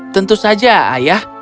tentu saja ayah